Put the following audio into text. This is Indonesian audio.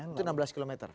itu enam belas km